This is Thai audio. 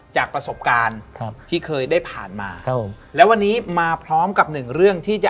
จากประสบการณ์ครับที่เคยได้ผ่านมาครับผมและวันนี้มาพร้อมกับหนึ่งเรื่องที่จะ